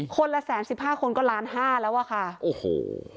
ละแสนสิบห้าคนก็ล้านห้าแล้วอะค่ะโอ้โห